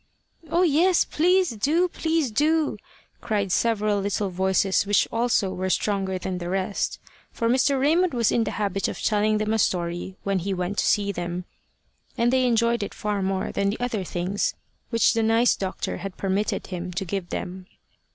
"Oh, yes, please do! please do!" cried several little voices which also were stronger than the rest. For Mr. Raymond was in the habit of telling them a story when he went to see them, and they enjoyed it far more than the other nice things which the doctor permitted him to give them.